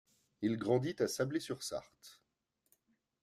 Il grandit à Sablé-sur-Sarthe.